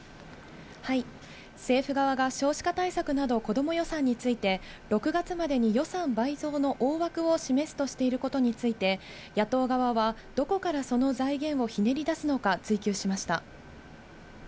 政府側が少子化対策など子ども予算について、６月までに予算倍増の大枠を示すとしていることについて、野党側はどこからその財源をひねり出すのか追及しました。